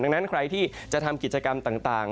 ดังนั้นใครที่จะทำกิจกรรมต่าง